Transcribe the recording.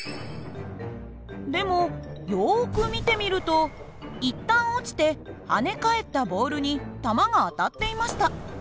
でもよく見てみると一旦落ちて跳ね返ったボールに球が当たっていました。